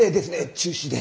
中止で！